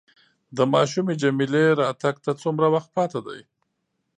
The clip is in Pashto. د ماشومې جميله راتګ ته څومره وخت پاتې دی؟